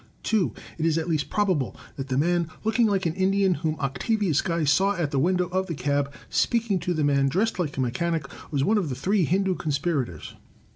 (2) It is at least probable that the man look ing like an Indian, whom Octavius Guy saw at the window of the cab speaking to the man dressed like a mechanic, was one of the three 196 THE TECHNIQUE OF THE MYSTERY STORY Hindoo conspirators.